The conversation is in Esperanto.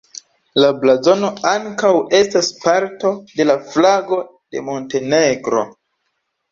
La blazono ankaŭ estas parto de la flago de Montenegro.